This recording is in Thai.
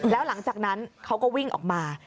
แล้วหลังจากนั้นเขาก็วิ่งออกมา